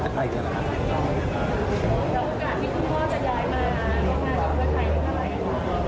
เดี๋ยวโอกาสที่คุณพ่อจะย้ายมาคุณพ่อจะใช้ได้ทำไมครับ